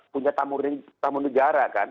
punya tamu negara kan